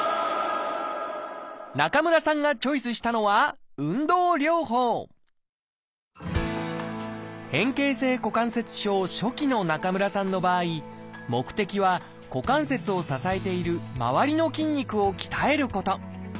中村さんがチョイスしたのは変形性股関節症初期の中村さんの場合目的は股関節を支えている周りの筋肉を鍛えること。